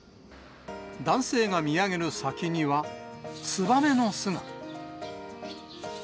男性が見上げる先には、ツバメの巣が。